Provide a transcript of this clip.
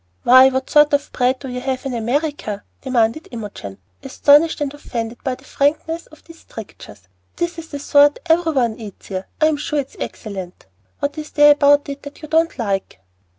"Why, what sort of bread do you have in America?" demanded Imogen, astonished and offended by the frankness of these strictures. "This is the sort every one eats here. I'm sure it's excellent. What is there about it that you don't like?"